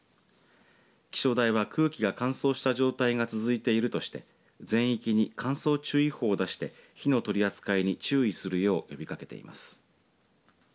気象台は空気が乾燥した状態が続いているとして全域に乾燥注意報を出して火の取り扱いに注意するよう呼びかけています。